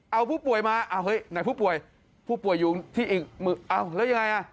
เอาผู้ป่วยมาอ้าวเฮ้ยไหนผู้ป่วยผู้ป่วยอยู่ที่อีกมืออ้าวแล้วยังไงอ่ะ